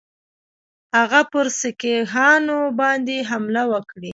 هغه پر سیکهانو باندي حمله وکړي.